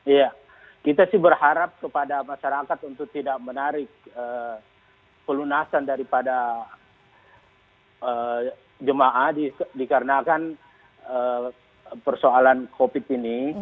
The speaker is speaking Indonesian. iya kita sih berharap kepada masyarakat untuk tidak menarik pelunasan daripada jemaah dikarenakan persoalan covid ini